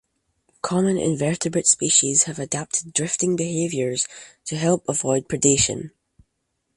Common invertebrate species have adapted drifting behaviors to help avoid predation.